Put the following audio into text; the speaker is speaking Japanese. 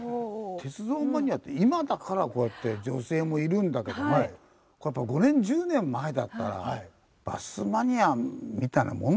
鉄道マニアって今だからこうやって女性もいるんだけどもやっぱ５年１０年前だったらバスマニアみたいなもんだったよ。